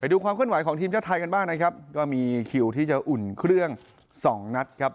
ไปดูความขึ้นหวัยของทีมชาวไทยกันบ้างนะครับก็มีคิวที่จะอุ่นเครื่อง๒นัทครับ